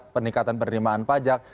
peningkatan pernimaan pajak